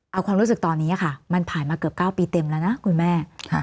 เอาความรู้สึกตอนนี้ค่ะมันผ่านมาเกือบ๙ปีเต็มแล้วนะคุณแม่